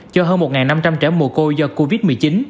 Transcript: cho hơn một năm trăm linh trẻ mùa côi do covid một mươi chín